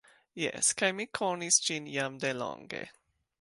Jes, kaj mi konis ĝin jam delonge.